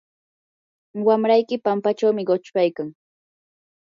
wamrayki pampachaw quchpaykan.